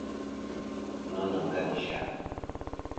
To’ni ni ngeng zya.